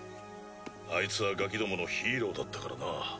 あいつはガキどものヒーローだったからな。